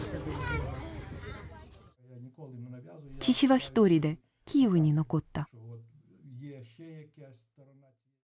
父は一人でキーウに残った。